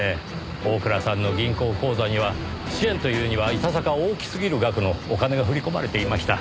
大倉さんの銀行口座には支援というにはいささか大きすぎる額のお金が振り込まれていました。